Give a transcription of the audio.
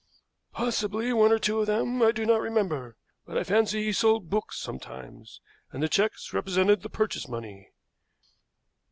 "Possibly, one or two of them, I do not remember; but I fancy he sold books sometimes, and the checks represented the purchase money."